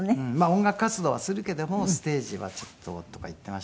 音楽活動はするけどもステージはちょっととか言っていましたけど。